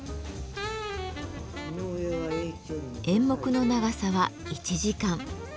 演目の長さは１時間。